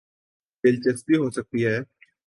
دلچسپی ہو سکتی ہے۔